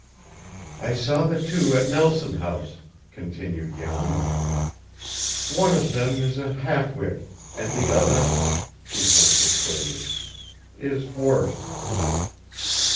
"I saw the two at Nelson House," continued Jan. "One of them is a half wit, and the other" he hunched his shoulders "is worse.